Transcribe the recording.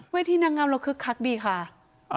ทีนางงามเราคึกคักดีค่ะ